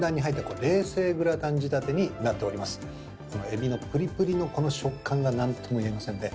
エビのプリプリのこの食感が何とも言えません。